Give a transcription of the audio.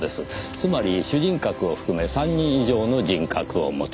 つまり主人格を含め３人以上の人格を持つ。